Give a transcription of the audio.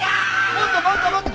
もっともっともっと！